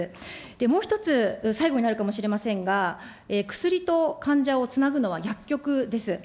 もう１つ、最後になるかもしれませんが、薬と患者をつなぐのは薬局です。